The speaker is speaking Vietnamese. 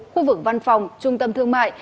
khu vực văn phòng trung tâm thương mại